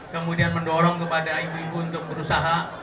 kemudian mendorong kepada ibu ibu untuk berusaha